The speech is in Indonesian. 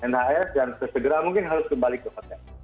dan segera mungkin harus kembali ke hotel